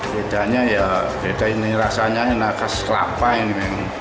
bedanya ya beda ini rasanya enak khas kelapa ini